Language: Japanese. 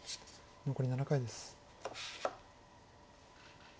残り７回です。